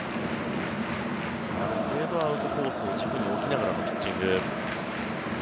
ある程度アウトコースを軸に置きながらのピッチング。